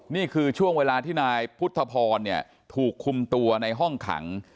นี่คือช่วงเวลาที่นายพุทธพรถูกคุมตัวในห้องขัง